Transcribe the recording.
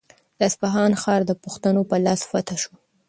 د اصفهان ښار د پښتنو په لاس فتح شو.